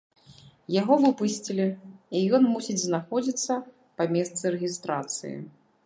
Яго выпусцілі і ён мусіць знаходзіцца па месцы рэгістрацыі.